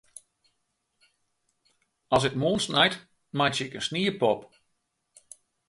As it moarn snijt, meitsje ik in sniepop.